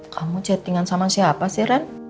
kamu chattingan sama siapa sih ren